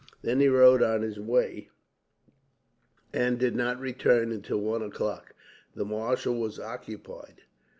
Then he rode on his way, and did not return until one o'clock. The marshal was occupied.